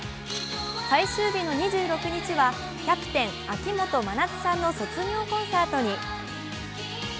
最終日の２６日はキャプテン・秋元真夏さんの卒業コンサートに。